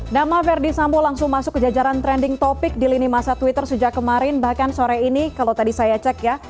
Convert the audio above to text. nama verdi sambo langsung masuk ke jajaran trending topic di lini masa twitter sejak kemarin bahkan sore ini kalau tadi saya cek ya